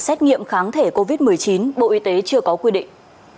xét nghiệm kháng thể covid một mươi chín bộ y tế chưa có quy định